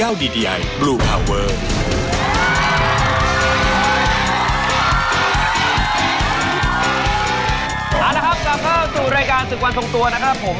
เอาละครับกลับเข้าสู่รายการศึกวันทรงตัวนะครับผม